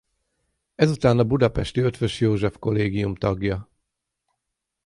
Ezután a budapesti Eötvös József Collegium tagja.